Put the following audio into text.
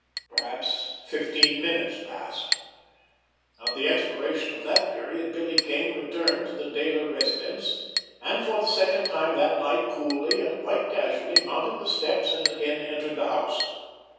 Perhaps fifteen minutes passed. At the expiration of that period Billy Kane returned to the Dayler residence, and for the second time that night coolly and quite casually mounted the steps, and again entered the house.